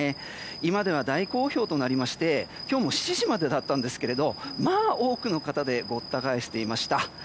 今では大好評となりまして今日も７時までだったんですがまあ多くの方でごった返していました。